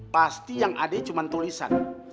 pasti yang ada cuma tulisan